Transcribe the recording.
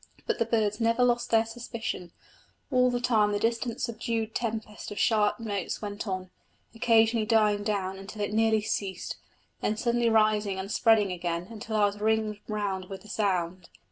But the birds never lost their suspicion; all the time the distant subdued tempest of sharp notes went on, occasionally dying down until it nearly ceased, then suddenly rising and spreading again until I was ringed round with the sound.